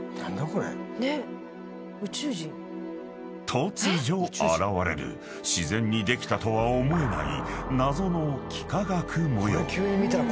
［突如現れる自然にできたとは思えない］